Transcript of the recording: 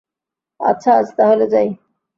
আচ্ছা, আজ তাহলে যাই।